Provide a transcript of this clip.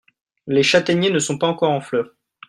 Les châtaigniers ne sont pas encore en fleur.